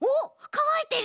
かわいてる！